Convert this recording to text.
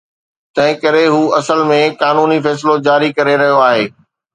تنهنڪري هو اصل ۾ قانوني فيصلو جاري ڪري رهيو آهي